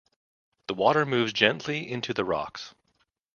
The water moves gently into rocks.